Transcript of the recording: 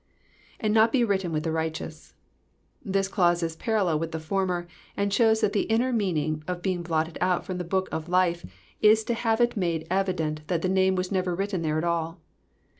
"''And not be written with the righteous.'^ ^ This clause is parallel with the former, and shows that the inner meaning of being blotted out from the book of life is to have it made evident that the name was never written there at all.